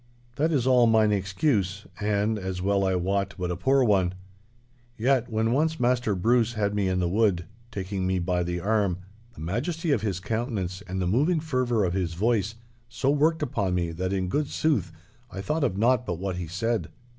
That is all mine excuse, and, as well I wot, but a poor one. Yet when once Maister Bruce had me in the wood, taking me by the arm, the majesty of his countenance and the moving fervour of his voice so worked upon me that in good sooth I thought of naught but what he said.